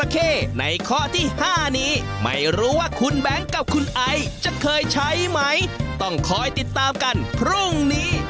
ในข้อที่๕นี้ไม่รู้ว่าคุณแบงค์กับคุณไอจะเคยใช้ไหมต้องคอยติดตามกันพรุ่งนี้